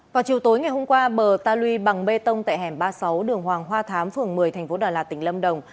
vào chiều tối ngày hôm qua bờ ta lui bằng bê tông tại hẻm ba mươi sáu đường hoàng hoa thám phường một mươi tp đà lạt tỉnh lâm đồng